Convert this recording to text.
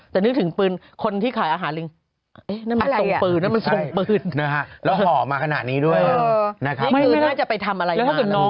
แต่นึกถึงปืนคนที่ขายอาหารลิง